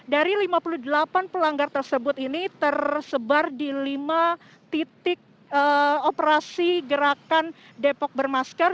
dari lima puluh delapan pelanggar tersebut ini tersebar di lima titik operasi gerakan depok bermasker